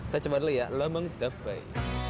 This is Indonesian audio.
saya coba dulu ya lemang tapai